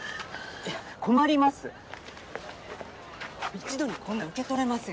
・困ります・一度にこんな受け取れません。